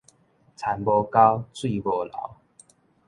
田無溝，水無流